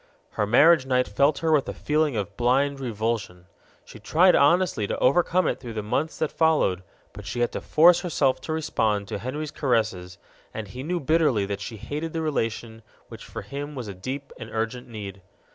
Her marriage night left her with a feeling of blind revulsion. She tried honestly to overcome it through the months that followed, but she had to force herself to respond to Henry's caresses, and he knew bitterly that she hated the relation which for him was a deep and urgent need.